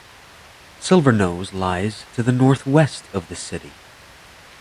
Silverknowes lies to the northwest of the city.